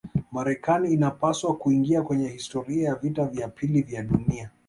marekani inapaswa kuingia kwenye historia ya vita vya pili vya dunia